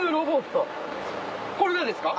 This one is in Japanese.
これがですか？